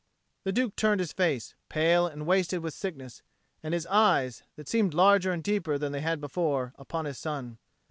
The Duke turned his face, pale and wasted with sickness, and his eyes, that seemed larger and deeper than they had been before, upon his son.